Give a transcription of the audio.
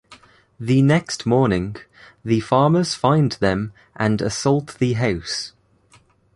The next morning, the farmers find them and assault the house.